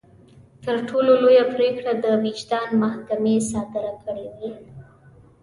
تر ټولو لويه پرېکړه د وجدان محکمې صادره کړې وي.